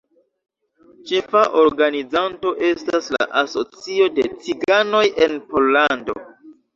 Ĉefa organizanto estas la Asocio de Ciganoj en Pollando.